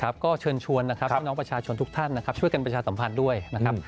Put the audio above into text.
แล้วก็เชิญชวนน้องประชาชนทุกท่านช่วยกันประชาสัมภาษณ์ด้วยนะครับ